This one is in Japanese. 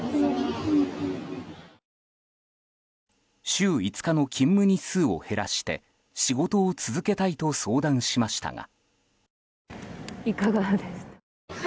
週５日の勤務日数を減らして仕事を続けたいと相談しましたが。